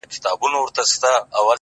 څو؛ د ژوند په دې زوال کي کړې بدل ـ